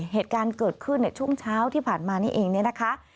เหตุการณ์เกิดขึ้นในช่วงเช้าที่ผ่านมานี่เองเนี่ยนะคะ